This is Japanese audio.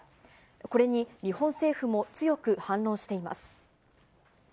これに日本政府も強く反応しています。